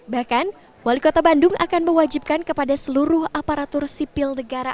bahkan wali kota bandung akan mewajibkan kepada seluruh aparatur sipil negara